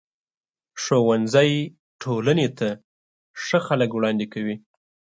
ښوونځی ټولنې ته ښه خلک وړاندې کوي.